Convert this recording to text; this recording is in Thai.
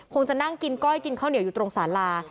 คงจะนั่งกินก้อยกินข้าวเหนียวอยู่ตรงสารา